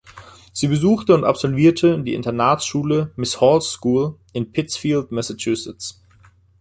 Sie besuchte und absolvierte die Internatsschule Miss Hall's School in Pittsfield, Massachusetts.